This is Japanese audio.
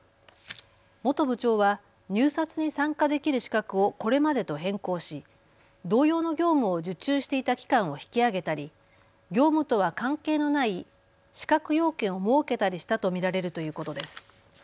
元部長は入札に参加できる資格をこれまでと変更し同様の業務を受注していた期間を引き上げたり業務とは関係のない資格要件を設けたりしたと見られるということです。